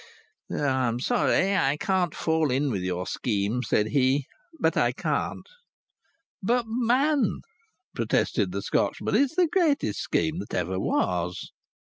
"I'm sorry I can't fall in with your scheme," said he, "but I can't." "But, man!" protested the Scotchman, "it's the greatest scheme that ever was."